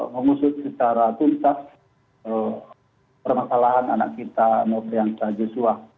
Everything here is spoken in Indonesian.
mengusut secara tuntas permasalahan anak kita mokrian syah yosua